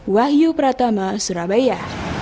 wahyu pratama surabaya